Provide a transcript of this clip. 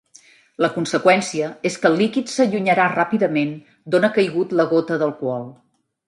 La conseqüència és que el líquid s'allunyarà ràpidament d'on ha caigut la gota d'alcohol.